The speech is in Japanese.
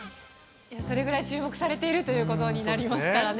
それぐらい注目されているということになりますからね。